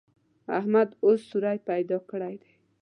احمد اوس سوری پیدا کړی دی.